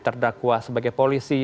diterdakwa sebagai polisi